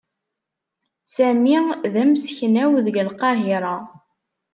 Sami d amseknaw deg Lqahiṛa.